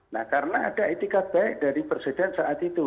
nah karena ada etikat baik dari presiden saat itu